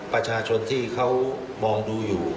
ประชาชนที่เขามองดูอยู่